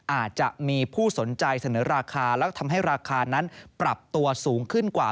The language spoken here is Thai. อาจจะมีผู้สนใจเสนอราคาแล้วก็ทำให้ราคานั้นปรับตัวสูงขึ้นกว่า